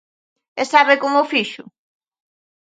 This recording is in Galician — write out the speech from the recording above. ¿E sabe como o fixo?